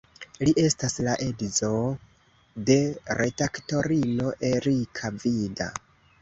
Li estas la edzo de redaktorino Erika Vida.